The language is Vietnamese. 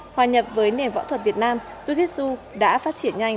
hòa nhập với nền võ thuật việt nam jiu jitsu đã phát triển nhanh